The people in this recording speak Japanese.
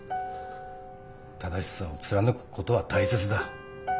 正しさを貫くことは大切だ。